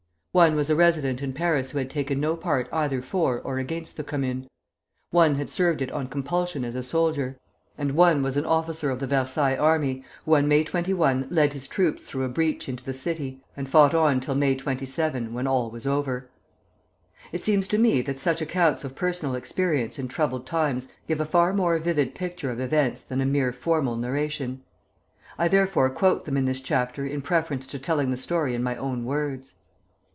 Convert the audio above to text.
One was a resident in Paris who had taken no part either for or against the Commune; one had served it on compulsion as a soldier; and one was an officer of the Versailles army, who on May 21 led his troops through a breach into the city, and fought on till May 27, when all was over. It seems to me that such accounts of personal experience in troubled times give a far more vivid picture of events than a mere formal narration. I therefore quote them in this chapter in preference to telling the story in my own words.